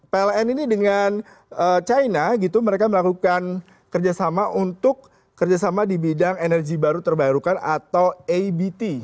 pln ini dengan china gitu mereka melakukan kerjasama untuk kerjasama di bidang energi terbarukan atau abt